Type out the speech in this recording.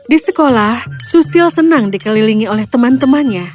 di sekolah susil senang dikelilingi oleh temanku